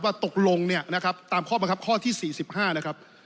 ตกลงเนี่ยนะครับตามข้อบังคับข้อที่๔๕นะครับ